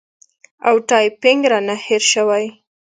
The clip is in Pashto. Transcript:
او ټایپینګ رانه هېر شوی